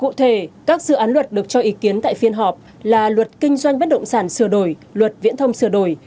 cụ thể các dự án luật được cho ý kiến tại phiên họp là luật kinh doanh bất động sản sửa đổi luật viễn thông sửa đổi